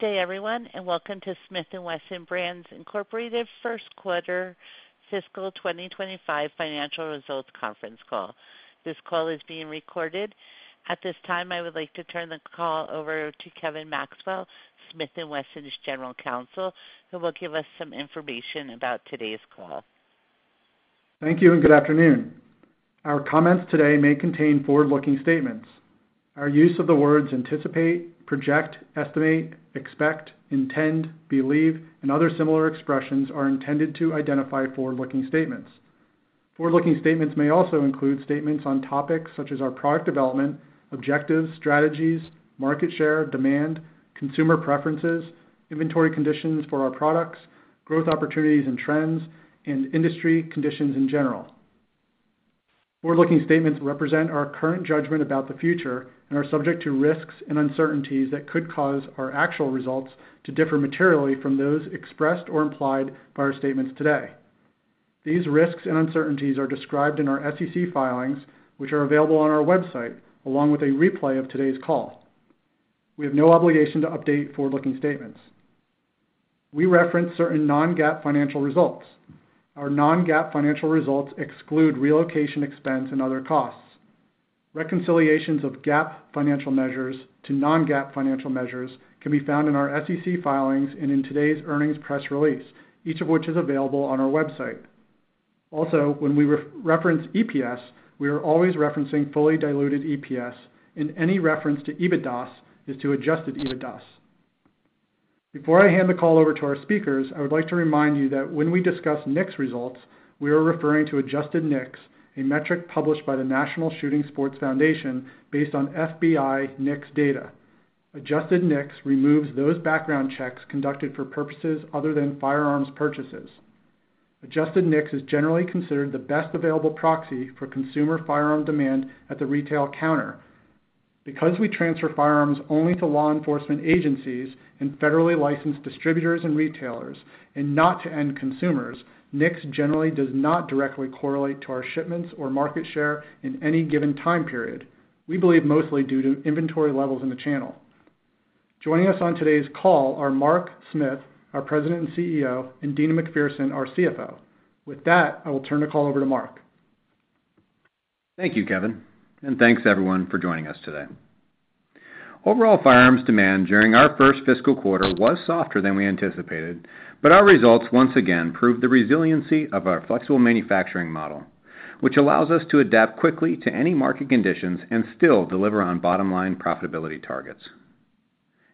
Good day, everyone, and welcome to Smith & Wesson Brands Incorporated first quarter Fiscal 2025 financial results conference call. This call is being recorded. At this time, I would like to turn the call over to Kevin Maxwell, Smith & Wesson's General Counsel, who will give us some information about today's call. Thank you, and good afternoon. Our comments today may contain forward-looking statements. Our use of the words anticipate, project, estimate, expect, intend, believe, and other similar expressions are intended to identify forward-looking statements. Forward-looking statements may also include statements on topics such as our product development, objectives, strategies, market share, demand, consumer preferences, inventory conditions for our products, growth opportunities and trends, and industry conditions in general. Forward-looking statements represent our current judgment about the future and are subject to risks and uncertainties that could cause our actual results to differ materially from those expressed or implied by our statements today. These risks and uncertainties are described in our SEC filings, which are available on our website, along with a replay of today's call. We have no obligation to update forward-looking statements. We reference certain non-GAAP financial results. Our non-GAAP financial results exclude relocation expense and other costs. Reconciliations of GAAP financial measures to non-GAAP financial measures can be found in our SEC filings and in today's earnings press release, each of which is available on our website. Also, when we reference EPS, we are always referencing fully diluted EPS, and any reference to EBITDA is to adjusted EBITDA. Before I hand the call over to our speakers, I would like to remind you that when we discuss NICS results, we are referring to adjusted NICS, a metric published by the National Shooting Sports Foundation based on FBI NICS data. Adjusted NICS removes those background checks conducted for purposes other than firearms purchases. Adjusted NICS is generally considered the best available proxy for consumer firearm demand at the retail counter. Because we transfer firearms only to law enforcement agencies and federally licensed distributors and retailers and not to end consumers, NICS generally does not directly correlate to our shipments or market share in any given time period. We believe mostly due to inventory levels in the channel. Joining us on today's call are Mark Smith, our President and CEO, and Deana McPherson, our CFO. With that, I will turn the call over to Mark. Thank you, Kevin, and thanks to everyone for joining us today. Overall, firearms demand during our first fiscal quarter was softer than we anticipated, but our results once again proved the resiliency of our flexible manufacturing model, which allows us to adapt quickly to any market conditions and still deliver on bottom-line profitability targets,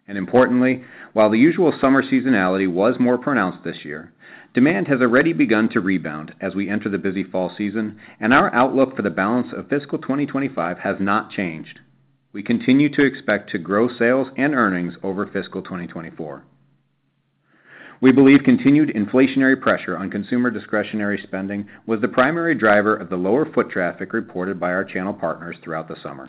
and importantly, while the usual summer seasonality was more pronounced this year, demand has already begun to rebound as we enter the busy fall season, and our outlook for the balance of Fiscal 2025 has not changed. We continue to expect to grow sales and earnings over Fiscal 2024. We believe continued inflationary pressure on consumer discretionary spending was the primary driver of the lower foot traffic reported by our channel partners throughout the summer.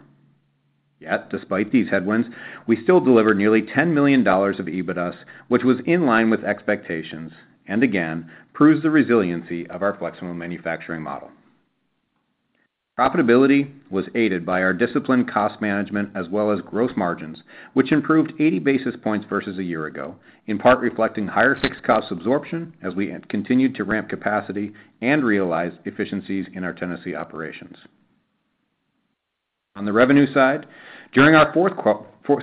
Yet, despite these headwinds, we still delivered nearly $10 million of EBITDA, which was in line with expectations, and again, proves the resiliency of our flexible manufacturing model. Profitability was aided by our disciplined cost management as well as gross margins, which improved 80 basis points versus a year ago, in part reflecting higher fixed cost absorption as we continued to ramp capacity and realize efficiencies in our Tennessee operations. On the revenue side, during our fourth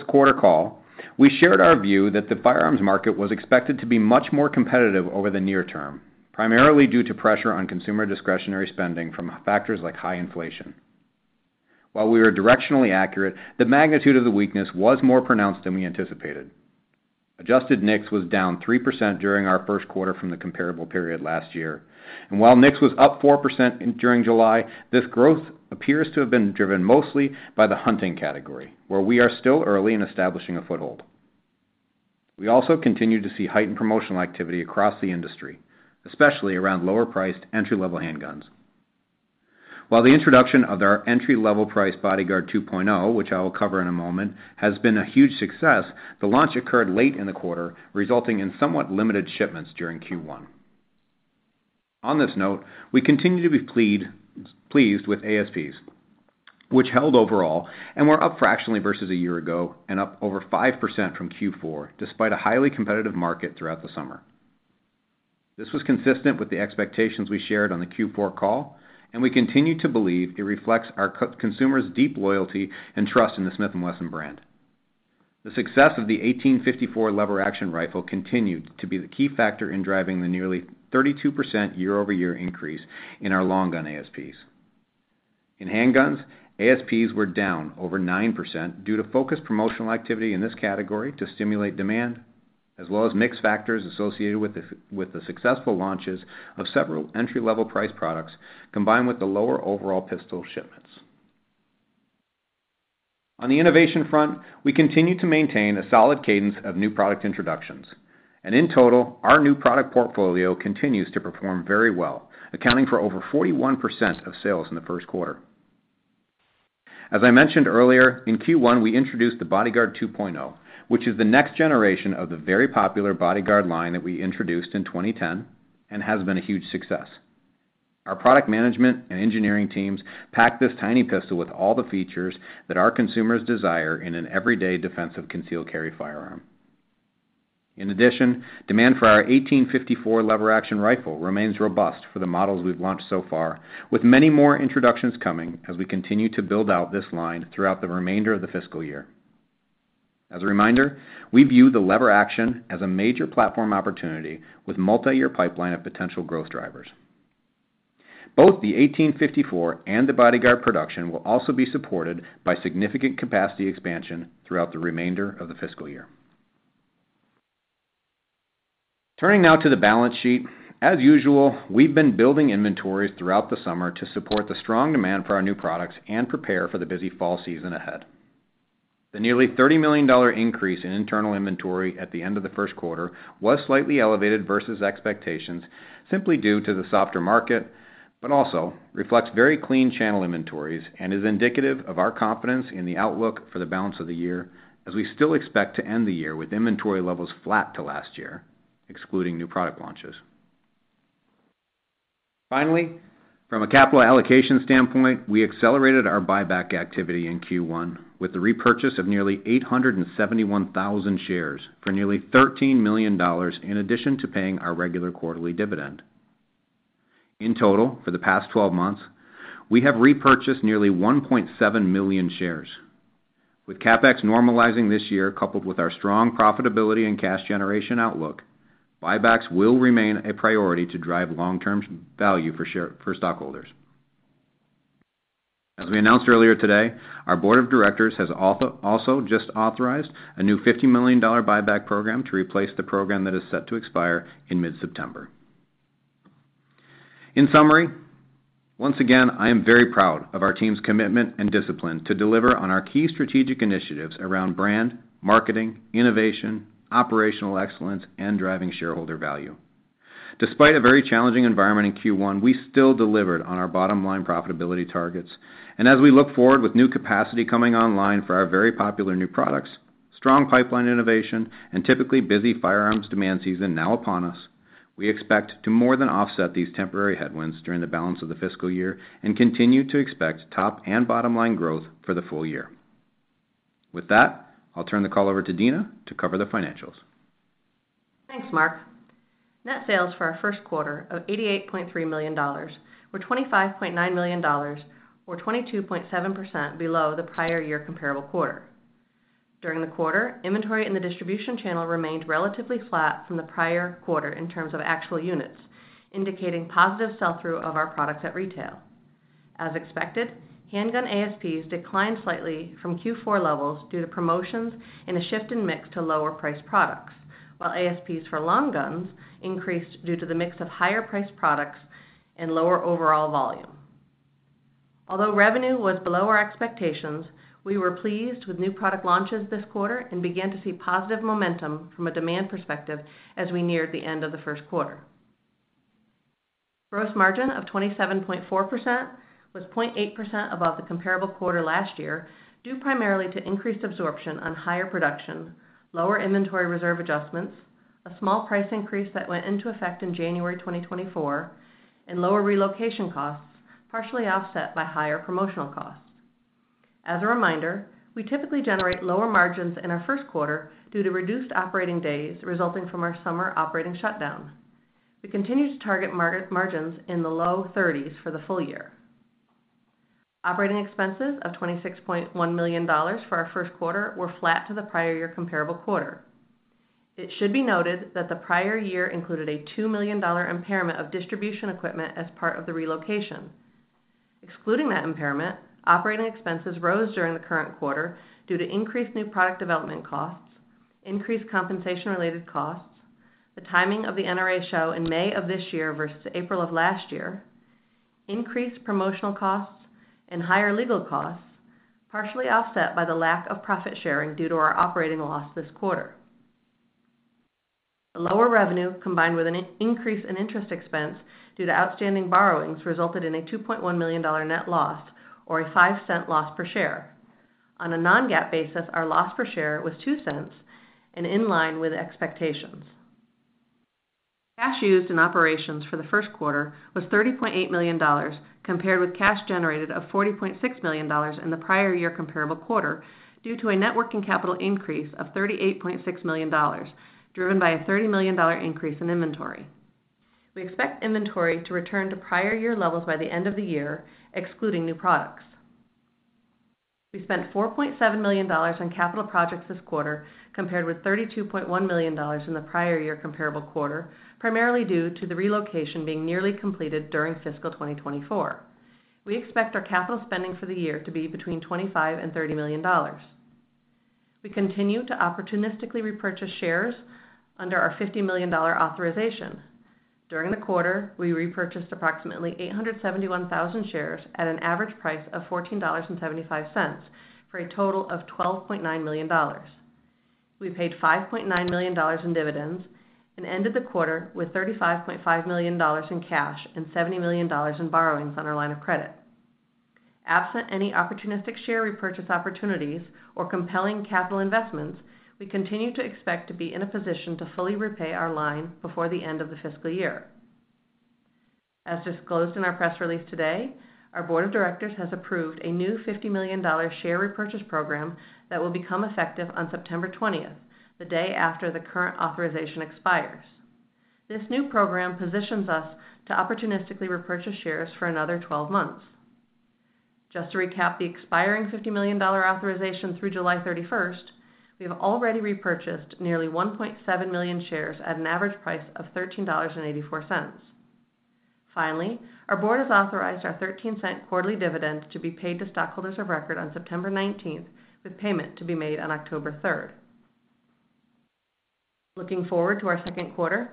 quarter call, we shared our view that the firearms market was expected to be much more competitive over the near term, primarily due to pressure on consumer discretionary spending from factors like high inflation. While we were directionally accurate, the magnitude of the weakness was more pronounced than we anticipated. Adjusted NICS was down 3% during our first quarter from the comparable period last year. And while NICS was up 4% during July, this growth appears to have been driven mostly by the hunting category, where we are still early in establishing a foothold. We also continue to see heightened promotional activity across the industry, especially around lower-priced entry-level handguns. While the introduction of our entry-level priced Bodyguard 2.0, which I will cover in a moment, has been a huge success, the launch occurred late in the quarter, resulting in somewhat limited shipments during Q1. On this note, we continue to be pleased with ASPs, which held overall and were up fractionally versus a year ago and up over 5% from Q4, despite a highly competitive market throughout the summer. This was consistent with the expectations we shared on the Q4 call, and we continue to believe it reflects our core consumers' deep loyalty and trust in the Smith & Wesson brand. The success of the 1854 lever-action rifle continued to be the key factor in driving the nearly 32% year-over-year increase in our long gun ASPs. In handguns, ASPs were down over 9% due to focused promotional activity in this category to stimulate demand, as well as mix factors associated with the successful launches of several entry-level price products, combined with the lower overall pistol shipments. On the innovation front, we continue to maintain a solid cadence of new product introductions. In total, our new product portfolio continues to perform very well, accounting for over 41% of sales in the first quarter. As I mentioned earlier, in Q1, we introduced the Bodyguard 2.0, which is the next generation of the very popular Bodyguard line that we introduced in 2010 and has been a huge success. Our product management and engineering teams packed this tiny pistol with all the features that our consumers desire in an everyday defensive concealed carry firearm. In addition, demand for our 1854 lever-action rifle remains robust for the models we've launched so far, with many more introductions coming as we continue to build out this line throughout the remainder of the fiscal year. As a reminder, we view the lever action as a major platform opportunity with multi-year pipeline of potential growth drivers. Both the 1854 and the Bodyguard production will also be supported by significant capacity expansion throughout the remainder of the fiscal year. Turning now to the balance sheet. As usual, we've been building inventories throughout the summer to support the strong demand for our new products and prepare for the busy fall season ahead. The nearly $30 million increase in internal inventory at the end of the first quarter was slightly elevated versus expectations, simply due to the softer market, but also reflects very clean channel inventories and is indicative of our confidence in the outlook for the balance of the year, as we still expect to end the year with inventory levels flat to last year, excluding new product launches. Finally, from a capital allocation standpoint, we accelerated our buyback activity in Q1 with the repurchase of nearly 871,000 shares for nearly $13 million, in addition to paying our regular quarterly dividend. In total, for the past twelve months, we have repurchased nearly 1.7 million shares. With CapEx normalizing this year, coupled with our strong profitability and cash generation outlook, buybacks will remain a priority to drive long-term value for stockholders. As we announced earlier today, our board of directors has also just authorized a new $50 million buyback program to replace the program that is set to expire in mid-September. In summary, once again, I am very proud of our team's commitment and discipline to deliver on our key strategic initiatives around brand, marketing, innovation, operational excellence, and driving shareholder value. Despite a very challenging environment in Q1, we still delivered on our bottom line profitability targets. As we look forward with new capacity coming online for our very popular new products, strong pipeline innovation, and typically busy firearms demand season now upon us, we expect to more than offset these temporary headwinds during the balance of the fiscal year and continue to expect top and bottom line growth for the full year. With that, I'll turn the call over to Deana to cover the financials. Thanks, Mark. Net sales for our first quarter of $88.3 million were $25.9 million, or 22.7% below the prior year comparable quarter. During the quarter, inventory in the distribution channel remained relatively flat from the prior quarter in terms of actual units, indicating positive sell-through of our products at retail. As expected, handgun ASPs declined slightly from Q4 levels due to promotions and a shift in mix to lower priced products, while ASPs for long guns increased due to the mix of higher priced products and lower overall volume. Although revenue was below our expectations, we were pleased with new product launches this quarter and began to see positive momentum from a demand perspective as we neared the end of the first quarter. Gross margin of 27.4% was 0.8% above the comparable quarter last year, due primarily to increased absorption on higher production, lower inventory reserve adjustments, a small price increase that went into effect in January 2024, and lower relocation costs, partially offset by higher promotional costs. As a reminder, we typically generate lower margins in our first quarter due to reduced operating days resulting from our summer operating shutdown. We continue to target margins in the low thirties for the full year. Operating expenses of $26.1 million for our first quarter were flat to the prior year comparable quarter. It should be noted that the prior year included a $2 million impairment of distribution equipment as part of the relocation. Excluding that impairment, operating expenses rose during the current quarter due to increased new product development costs, increased compensation-related costs, the timing of the NRA Show in May of this year versus April of last year, increased promotional costs and higher legal costs, partially offset by the lack of profit sharing due to our operating loss this quarter. A lower revenue, combined with an increase in interest expense due to outstanding borrowings, resulted in a $2.1 million net loss or a $0.05 loss per share. On a non-GAAP basis, our loss per share was $0.02 and in line with expectations. Cash used in operations for the first quarter was $30.8 million, compared with cash generated of $40.6 million in the prior year comparable quarter due to a net working capital increase of $38.6 million, driven by a $30 million increase in inventory. We expect inventory to return to prior year levels by the end of the year, excluding new products. We spent $4.7 million on capital projects this quarter, compared with $32.1 million in the prior year comparable quarter, primarily due to the relocation being nearly completed during Fiscal 2024. We expect our capital spending for the year to be between $25 million and $30 million. We continue to opportunistically repurchase shares under our $50 million authorization. During the quarter, we repurchased approximately 871,000 shares at an average price of $14.75, for a total of $12.9 million. We paid $5.9 million in dividends and ended the quarter with $35.5 million in cash and $70 million in borrowings on our line of credit. Absent any opportunistic share repurchase opportunities or compelling capital investments, we continue to expect to be in a position to fully repay our line before the end of the fiscal year. As disclosed in our press release today, our board of directors has approved a new $50 million share repurchase program that will become effective on September 20th, the day after the current authorization expires. This new program positions us to opportunistically repurchase shares for another 12 months. Just to recap, the expiring $50 million authorization through July 31st, we have already repurchased nearly 1.7 million shares at an average price of $13.84. Finally, our board has authorized our $0.13 quarterly dividend to be paid to stockholders of record on September 19th, with payment to be made on October 3rd. Looking forward to our second quarter,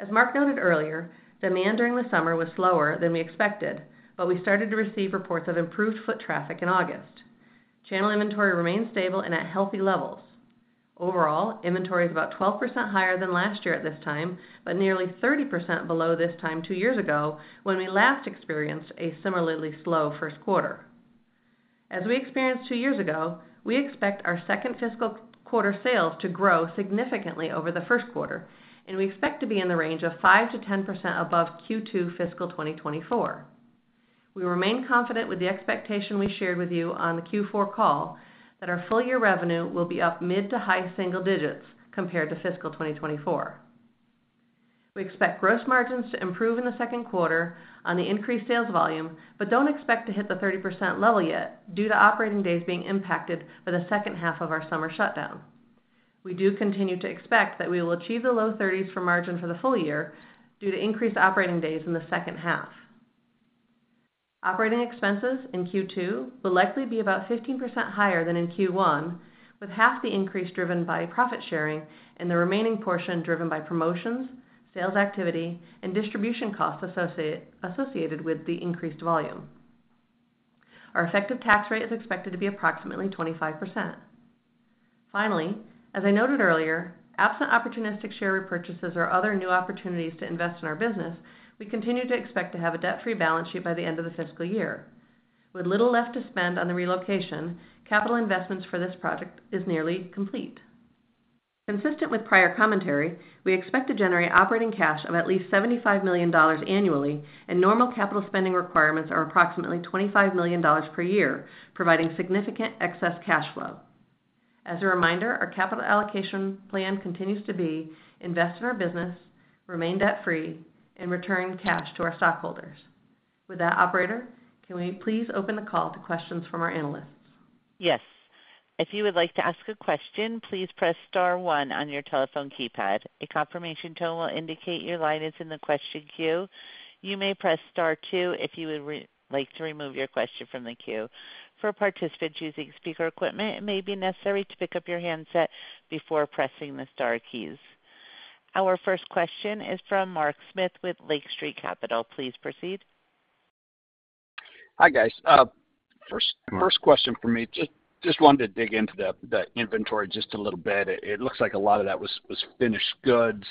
as Mark noted earlier, demand during the summer was slower than we expected, but we started to receive reports of improved foot traffic in August. Channel inventory remains stable and at healthy levels. Overall, inventory is about 12% higher than last year at this time, but nearly 30% below this time two years ago, when we last experienced a similarly slow first quarter. As we experienced two years ago, we expect our second fiscal quarter sales to grow significantly over the first quarter, and we expect to be in the range of 5%-10% above Q2 Fiscal 2024. We remain confident with the expectation we shared with you on the Q4 call, that our full year revenue will be up mid to high single digits compared to fiscal 2024. We expect gross margins to improve in the second quarter on the increased sales volume, but don't expect to hit the 30% level yet, due to operating days being impacted by the second half of our summer shutdown. We do continue to expect that we will achieve the low 30s for margin for the full year, due to increased operating days in the second half. Operating expenses in Q2 will likely be about 15% higher than in Q1, with half the increase driven by profit sharing and the remaining portion driven by promotions, sales activity, and distribution costs associated with the increased volume. Our effective tax rate is expected to be approximately 25%. Finally, as I noted earlier, absent opportunistic share repurchases or other new opportunities to invest in our business, we continue to expect to have a debt-free balance sheet by the end of the fiscal year. With little left to spend on the relocation, capital investments for this project is nearly complete. Consistent with prior commentary, we expect to generate operating cash of at least $75 million annually, and normal capital spending requirements are approximately $25 million per year, providing significant excess cash flow. As a reminder, our capital allocation plan continues to be to invest in our business, remain debt-free, and return cash to our stockholders. With that, operator, can we please open the call to questions from our analysts? Yes. If you would like to ask a question, please press star one on your telephone keypad. A confirmation tone will indicate your line is in the question queue. You may press star two if you would like to remove your question from the queue. For participants using speaker equipment, it may be necessary to pick up your handset before pressing the star keys. Our first question is from Mark Smith with Lake Street Capital. Please proceed. Hi, guys. First question for me. Just wanted to dig into the inventory just a little bit. It looks like a lot of that was finished goods.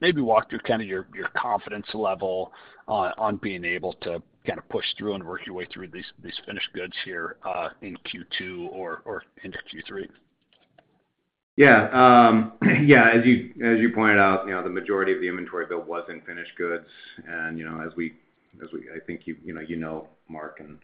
Maybe walk through kind of your confidence level on being able to kind of push through and work your way through these finished goods here in Q2 or into Q3. Yeah, yeah, as you pointed out, you know, the majority of the inventory build was in finished goods. And, you know, as we-- I think you know, Mark, you've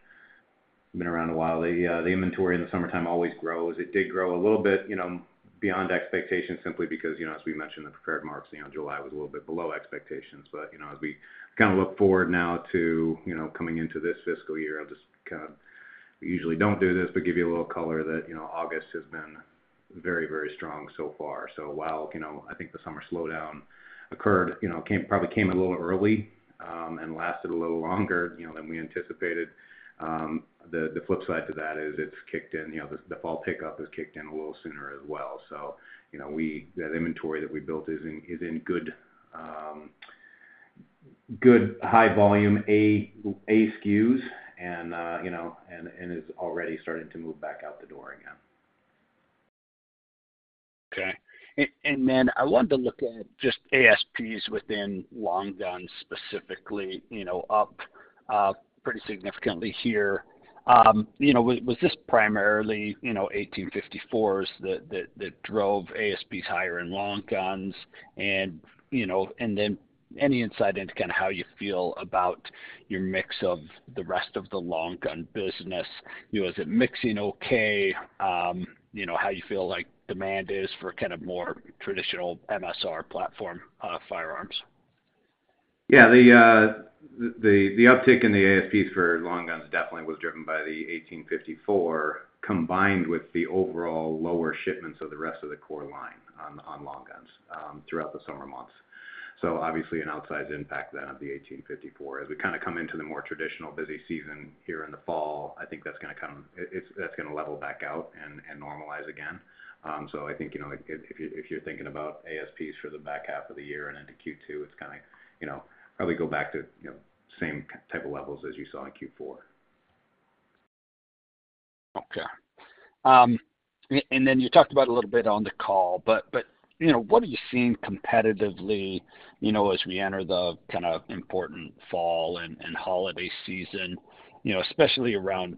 been around a while, the inventory in the summertime always grows. It did grow a little bit, you know, beyond expectations, simply because, you know, as we mentioned in the prepared remarks, you know, July was a little bit below expectations. But, you know, as we kind of look forward now to, you know, coming into this fiscal year, I'll just kind of... We usually don't do this, but give you a little color that, you know, August has been very, very strong so far. So while, you know, I think the summer slowdown occurred, you know, probably came a little early and lasted a little longer, you know, than we anticipated, the flip side to that is it's kicked in, you know, the fall pickup has kicked in a little sooner as well. So, you know, that inventory that we built is in good high volume A SKUs, and, you know, and it's already starting to move back out the door again. Okay. And then I wanted to look at just ASPs within long guns, specifically, you know, up pretty significantly here. You know, was this primarily, you know, 1854s that drove ASPs higher in long guns? And then any insight into kind of how you feel about your mix of the rest of the long gun business? You know, is it mixing okay? You know, how you feel like demand is for kind of more traditional MSR platform firearms? Yeah, the uptick in the ASPs for long guns definitely was driven by the 1854, combined with the overall lower shipments of the rest of the core line on long guns throughout the summer months. So obviously, an outsized impact then of the 1854. As we kind of come into the more traditional busy season here in the fall, I think that's gonna come. It's gonna level back out and normalize again. So I think, you know, if you're thinking about ASPs for the back half of the year and into Q2, it's gonna, you know, probably go back to, you know, same kind of levels as you saw in Q4.... Okay. And then you talked about a little bit on the call, but you know, what are you seeing competitively, you know, as we enter the kind of important fall and holiday season? You know, especially around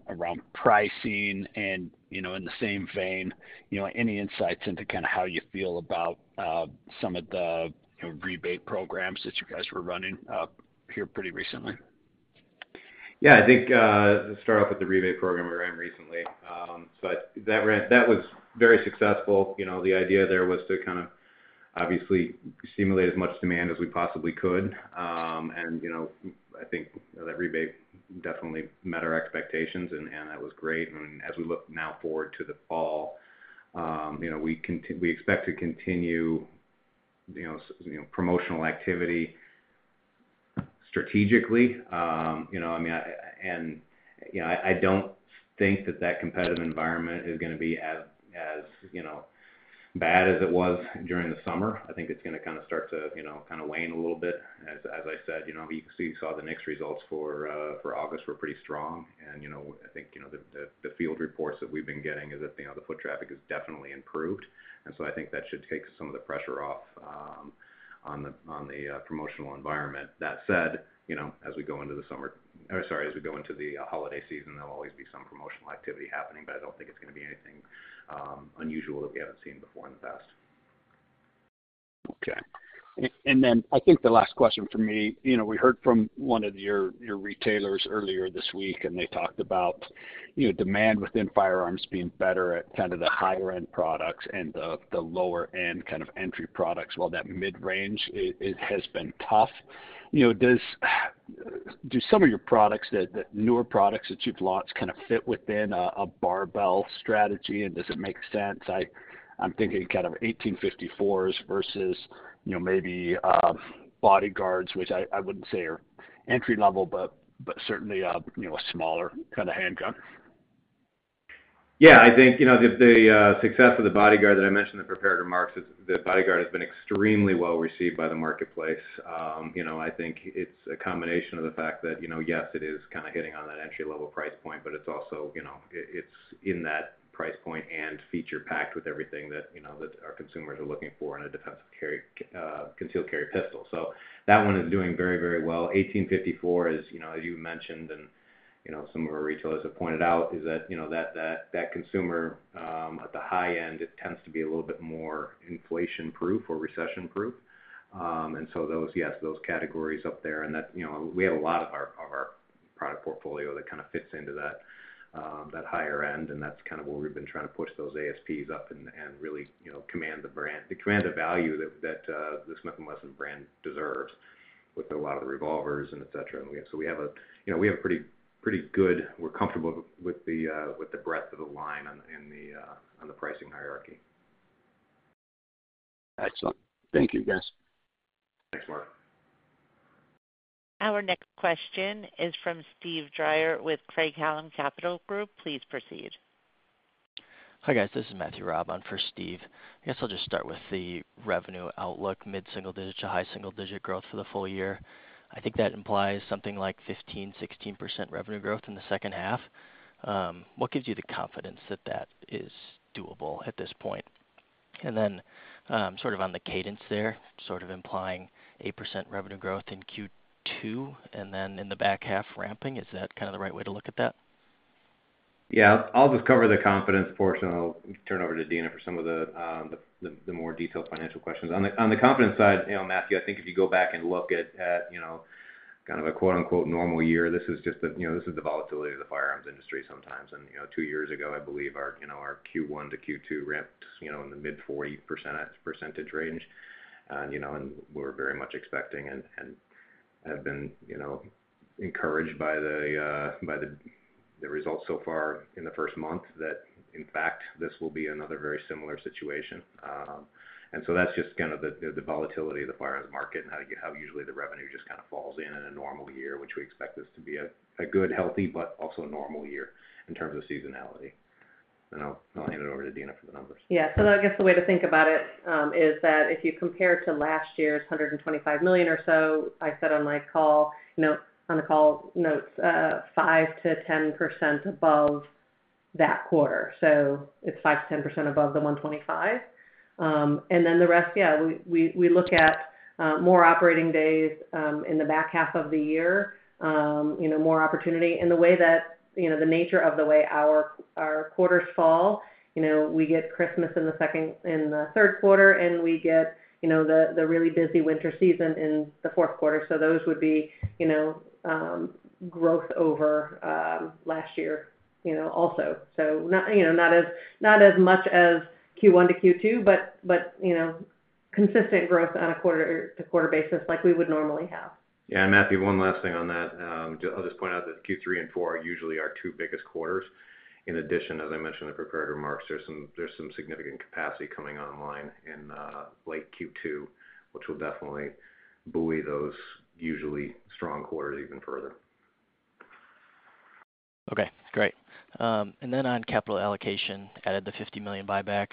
pricing and, you know, in the same vein, you know, any insights into kind of how you feel about some of the, you know, rebate programs that you guys were running here pretty recently? Yeah, I think, let's start off with the rebate program we ran recently. So that was very successful. You know, the idea there was to kind of, obviously, stimulate as much demand as we possibly could. And, you know, I think that rebate definitely met our expectations, and that was great. And as we look now forward to the fall, you know, we expect to continue, you know, strategically. You know, promotional activity. You know, I mean, and, you know, I don't think that competitive environment is gonna be as, you know, bad as it was during the summer. I think it's gonna kind of start to, you know, kind of wane a little bit. As I said, you know, we saw the NICS results for August were pretty strong. You know, I think you know, the field reports that we've been getting is that you know, the foot traffic has definitely improved. And so I think that should take some of the pressure off on the promotional environment. That said, you know, as we go into the summer, or sorry, as we go into the holiday season, there'll always be some promotional activity happening, but I don't think it's gonna be anything unusual that we haven't seen before in the past. Okay. And then I think the last question from me, you know, we heard from one of your retailers earlier this week, and they talked about, you know, demand within firearms being better at kind of the higher end products and the lower end kind of entry products, while that mid-range, it has been tough. You know, do some of your products, the newer products that you've launched, kind of fit within a barbell strategy, and does it make sense? I'm thinking kind of 1854s versus, you know, maybe Bodyguards, which I wouldn't say are entry level, but certainly, you know, a smaller kind of handgun. Yeah, I think, you know, the, the success of the Bodyguard that I mentioned in the prepared remarks is the Bodyguard has been extremely well received by the marketplace. You know, I think it's a combination of the fact that, you know, yes, it is kind of hitting on that entry-level price point, but it's also, you know, it, it's in that price point and feature-packed with everything that, you know, that our consumers are looking for in a defensive carry, concealed carry pistol. So that one is doing very, very well. 1854 is, you know, as you mentioned, and, you know, some of our retailers have pointed out, is that, you know, that, that, that consumer at the high end, it tends to be a little bit more inflation-proof or recession-proof. And so those, yes, those categories up there, and that, you know, we have a lot of our product portfolio that kind of fits into that higher end, and that's kind of where we've been trying to push those ASPs up and really, you know, command the brand to command the value that the Smith & Wesson brand deserves with a lot of the revolvers and et cetera. So we have a, you know, we have a pretty good. We're comfortable with the breadth of the line on the pricing hierarchy. Excellent. Thank you, guys. Thanks, Mark. Our next question is from Steve Dyer with Craig-Hallum Capital Group. Please proceed. Hi, guys. This is Matthew Raab on for Steve. I guess I'll just start with the revenue outlook, mid-single digit to high-single digit growth for the full year. I think that implies something like 15%, 16% revenue growth in the second half. What gives you the confidence that that is doable at this point? And then, sort of on the cadence there, sort of implying 8% revenue growth in Q2, and then in the back half ramping, is that kind of the right way to look at that? Yeah. I'll just cover the confidence portion, and I'll turn over to Deana for some of the more detailed financial questions. On the confidence side, you know, Matthew, I think if you go back and look at, you know, kind of a quote, unquote, "normal year," this is just the, you know, volatility of the firearms industry sometimes. And, you know, two years ago, I believe our, you know, Q1 to Q2 ramped, you know, in the mid-40% range. And, you know, we're very much expecting and have been, you know, encouraged by the results so far in the first month, that in fact, this will be another very similar situation. And so that's just kind of the volatility of the firearms market and how usually the revenue just kind of falls in a normal year, which we expect this to be a good, healthy, but also a normal year in terms of seasonality. And I'll hand it over to Deana for the numbers. Yeah. So I guess the way to think about it is that if you compare to last year's $125 million or so, I said on my call notes, five to ten percent above that quarter. So it's 5%-10% above the $125 million. And then the rest, yeah, we look at more operating days in the back half of the year. You know, more opportunity. And the way that, you know, the nature of the way our quarters fall, you know, we get Christmas in the third quarter, and we get, you know, the really busy winter season in the fourth quarter. So those would be, you know, growth over last year, you know, also. So not, you know, not as much as Q1 to Q2, but you know, consistent growth on a quarter-to-quarter basis like we would normally have. Yeah, Matthew, one last thing on that. I'll just point out that Q3 and Q4 are usually our two biggest quarters. In addition, as I mentioned in the prepared remarks, there's some significant capacity coming online in late Q2, which will definitely buoy those usually strong quarters even further. Okay, great. And then on capital allocation, added the $50 million buyback.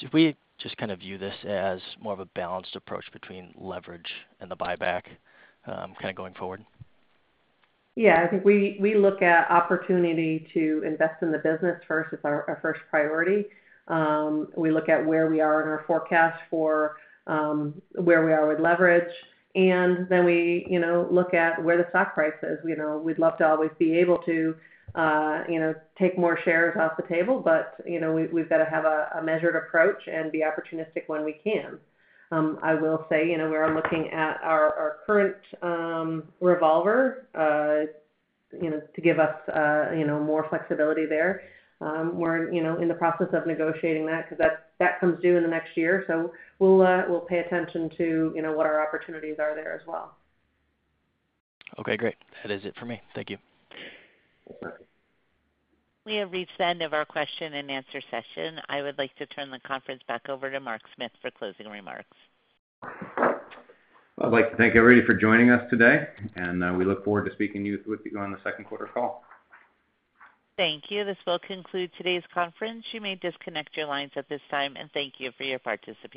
So if we just kind of view this as more of a balanced approach between leverage and the buyback, kind of going forward? Yeah, I think we look at opportunity to invest in the business first. It's our first priority. We look at where we are in our forecast, where we are with leverage, and then we, you know, look at where the stock price is. You know, we'd love to always be able to, you know, take more shares off the table, but, you know, we've got to have a measured approach and be opportunistic when we can. I will say, you know, we are looking at our current revolver, you know, to give us, you know, more flexibility there. We're, you know, in the process of negotiating that, 'cause that comes due in the next year. So we'll pay attention to, you know, what our opportunities are there as well. Okay, great. That is it for me. Thank you. Thanks. We have reached the end of our question-and-answer session. I would like to turn the conference back over to Mark Smith for closing remarks. I'd like to thank everybody for joining us today, and we look forward to speaking to you, with you on the second quarter call. Thank you. This will conclude today's conference. You may disconnect your lines at this time, and thank you for your participation.